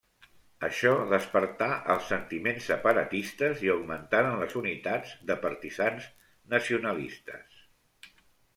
Això despertà els sentiments separatistes i augmentaren les unitats de partisans nacionalistes.